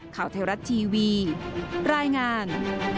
ข่าวไทยรัฐทีวีรายงาน